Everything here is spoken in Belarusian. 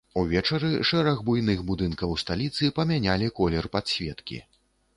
Увечары шэраг буйных будынкаў сталіцы памянялі колер падсветкі.